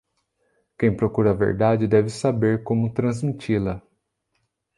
Quem procura a verdade deve saber como transmiti-la.